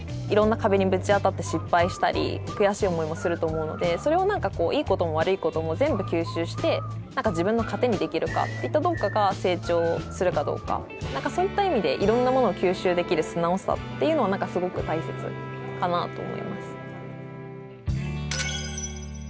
いろんな壁にぶち当たって失敗したり悔しい思いもすると思うのでそれをいいことも悪いことも全部吸収して自分の糧にできるかきっとどっかが成長するかどうかそういった意味でいろんなものを吸収できる素直さっていうのは何かすごく大切かなと思います。